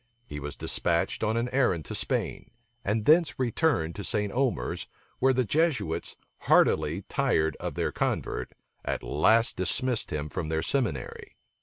He was despatched on an errand to Spain; and thence returned to St. Omers; where the Jesuits, heartily tired of their convert, at last dismissed him from their seminary.